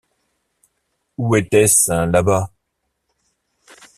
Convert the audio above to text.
Où était-ce, là-bas?